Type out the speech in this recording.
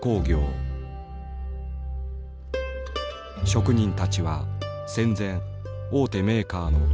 職人たちは戦前大手メーカーの熟練工。